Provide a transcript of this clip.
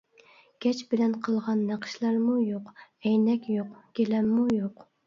گەج بىلەن قىلغان نەقىشلەرمۇ يوق، ئەينەك يوق، گىلەممۇ يوق.